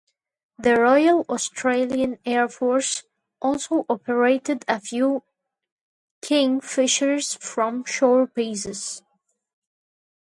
The Royal Australian Air Force also operated a few Kingfishers from shore bases.